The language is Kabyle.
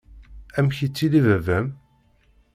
Amek yettili baba-m?